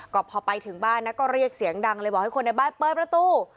ก็พอไปถึงบ้านนะก็เรียกเสียงดังเลยบอกให้คนในบ้านเปิดประตู